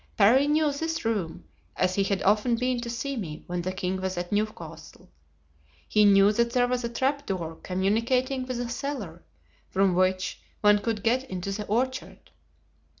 Parry knew this room, as he had often been to see me when the king was at Newcastle. He knew that there was a trap door communicating with a cellar, from which one could get into the orchard.